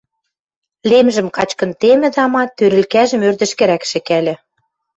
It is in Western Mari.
Лемжӹм качкын темӹ, тама, тарелкӓжӹм ӧрдӹжкӹрӓк шӹкӓльӹ.